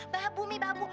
babu umi babu